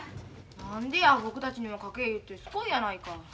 何でや僕たちにも書け言うてすこいやないか。